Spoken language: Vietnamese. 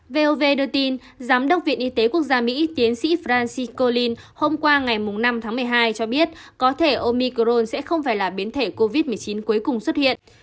v o v đưa tin giám đốc viện y tế quốc gia mỹ tiến sĩ francis collins hôm qua ngày năm tháng một mươi hai cho biết có thể omicron sẽ không phải là biến thể covid một mươi chín cuối cùng xuất hiện